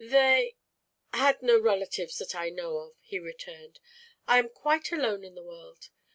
"They had no relatives that I know of," he returned. "I am quite alone in the world.